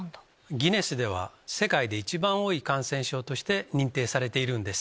『ギネス』では世界で一番多い感染症として認定されているんです。